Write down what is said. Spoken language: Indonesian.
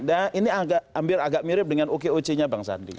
dan ini agak mirip dengan okoc nya bang sandi